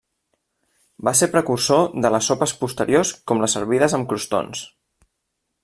Va ser un precursor de les sopes posteriors com les servides amb crostons.